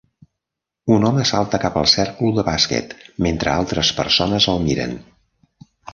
Un home salta cap al cèrcol de bàsquet mentre altres persones el miren.